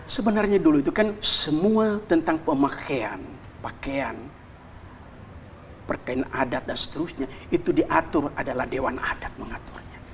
sebenarnya dulu itu kan semua tentang pemakaian pakaian pakaian adat dan seterusnya itu diatur adalah dewan adat mengaturnya